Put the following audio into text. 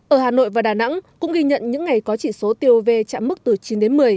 ở hà nội và đà nẵng cũng ghi nhận những ngày có chỉ số tiêu uv chạm mức từ chín đến một mươi